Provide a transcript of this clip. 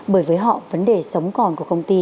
bởi với họ vấn đề sống còn của công ty